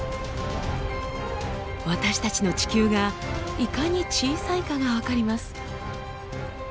私たちの地球がいかに小さいかが分かります。